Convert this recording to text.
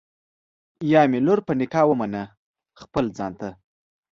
یا مي لور په نکاح ومنه خپل ځان ته